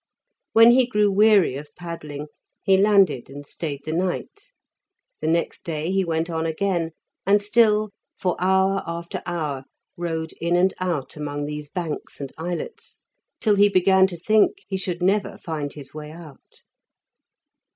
When he grew weary of paddling, he landed and stayed the night; the next day he went on again, and still for hour after hour rowed in and out among these banks and islets, till he began to think he should never find his way out.